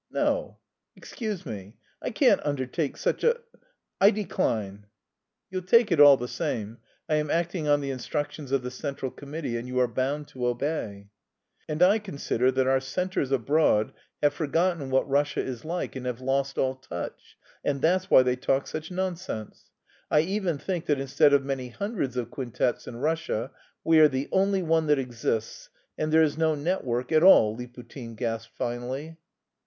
"No, excuse me; I can't undertake such a... I decline." "You'll take it all the same. I am acting on the instructions of the central committee, and you are bound to obey." "And I consider that our centres abroad have forgotten what Russia is like and have lost all touch, and that's why they talk such nonsense.... I even think that instead of many hundreds of quintets in Russia, we are the only one that exists, and there is no network at all," Liputin gasped finally.